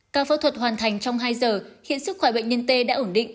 các phẫu thuật hoàn thành trong hai giờ hiện sức khỏe bệnh nhân tê đã ổn định